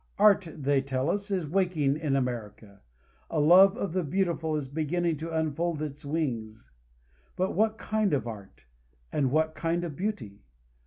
Art, they tell us, is waking in America; a love of the beautiful is beginning to unfold its wings; but what kind of art, and what kind of beauty?